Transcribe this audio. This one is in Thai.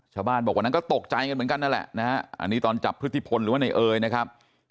ชาวบ้านบอกวันนั้นก็ตกใจกันเหมือนกันนั่นแหละนะฮะอันนี้ตอนจับพฤติพลหรือว่าในเอยนะครับ